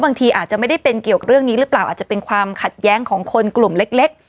บางทีอาจจะไม่ได้เป็นเกี่ยวกับเรื่องนี้หรือเปล่าอาจจะเป็นความขัดแย้งของคนกลุ่มเล็ก